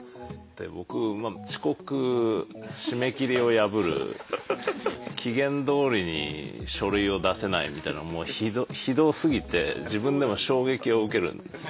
で僕遅刻締め切りを破る期限どおりに書類を出せないみたいなもうひどすぎて自分でも衝撃を受けるんです。